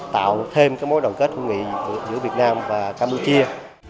tạo thêm mối đoàn kết hữu nghị giữa việt nam và campuchia